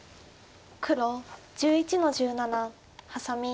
黒１１の十七ハサミ。